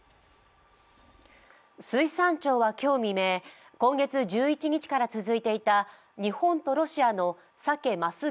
水産庁は今日未明、今月１１日から続いていた日本とロシアのさけ・ます